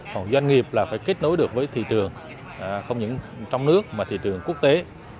còn doanh nghiệp là phải kết nối được với thị trường không những trong nước mà thị trường quốc tế